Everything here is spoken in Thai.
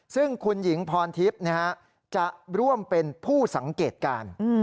ซึ่งคุณหญิงพรทิพย์จะร่วมเป็นผู้สังเกตการ